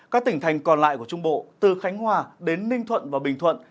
các tỉnh thành còn lại của trung bộ từ khánh hòa đến ninh thuận và bình thuận